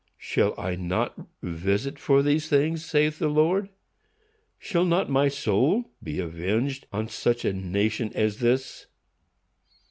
Shall I not visit for these things? saith the Lord. Shall not my soul be avenged on such a nation as this?